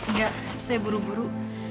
nggak saya buru buru